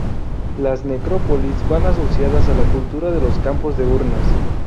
Las necrópolis van asociadas a la cultura de los campos de urnas.